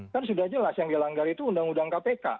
kan sudah jelas yang dilanggar itu undang undang kpk